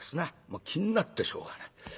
もう気になってしょうがない。